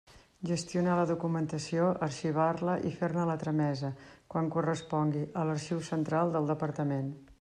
Gestionar la documentació, arxivar-la i fer-ne la tramesa, quan correspongui, a l'Arxiu Central del Departament.